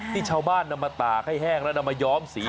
ที่ชาวบ้านนำมาตากให้แห้งแล้วนำมาย้อมสี